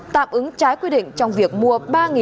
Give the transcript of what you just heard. tạm ứng trái quy định trong việc mua